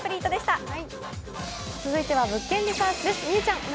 続いては「物件リサーチ」です。